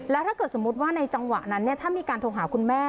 ถ้าเกิดสมมุติว่าในจังหวะนั้นถ้ามีการโทรหาคุณแม่